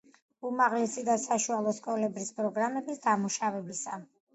უმაღლესი და საშუალო სკოლების პროგრამების დამუშავებისა.